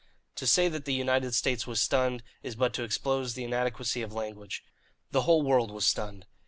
To say that the United States was stunned is but to expose the inadequacy of language. The whole world was stunned.